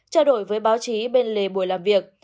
trao đổi với báo chí bên lề buổi làm việc